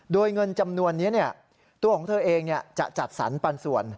โดยเงินจำนวนนี้ตัวของเธอเองจะจัดสรรปันส่วน